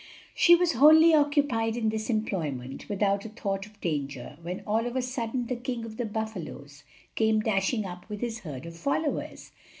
She was wholly occupied in this employment, without a thought of danger, when all of a sudden the king of the buffalos came dashing up with his herd of followers.